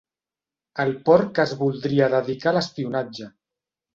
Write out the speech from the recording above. El porc que es voldria dedicar a l'espionatge.